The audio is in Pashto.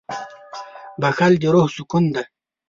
• بښل د روح سکون دی.